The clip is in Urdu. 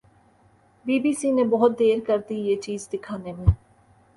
بی بی سی نے بہت دیر کردی یہ چیز دکھانے میں۔